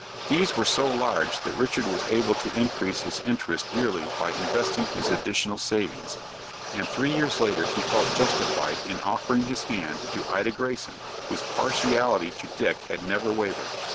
These were so large that Richard was able to increase his interest yearly by investing his additional savings, and three years later he felt justified in offering his hand to Ida Greyson, whose partiality to Dick had never wavered.